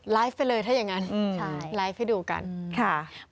ไปเลยถ้าอย่างนั้นไลฟ์ให้ดูกันค่ะ